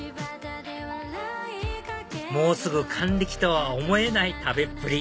もうすぐ還暦とは思えない食べっぷり